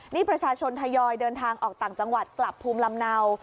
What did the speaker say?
นี่ประชาชนทยอยเดินทางออกต่างจังหวัดกลับภูมิลำเนา